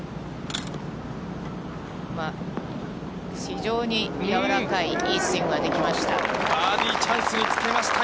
非常に柔らかい、いいスイングができました。